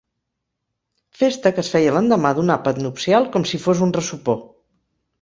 Festa que es feia l'endemà d'un àpat nupcial, com si fos un ressopó.